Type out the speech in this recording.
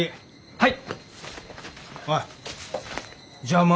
はい。